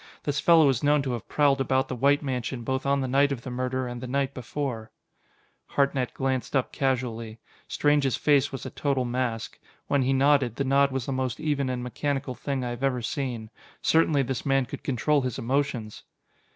This fellow is known to have prowled about the White mansion both on the night of the murder and the night before." Hartnett glanced up casually. Strange's face was a total mask. When he nodded, the nod was the most even and mechanical thing I have ever seen. Certainly this man could control his emotions!